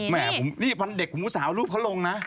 แหมพันธกูมึงสาวรูปมาลงนะ